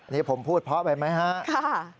นี่ผมพูดเพราะไว้ไหมฮะค่ะค่ะ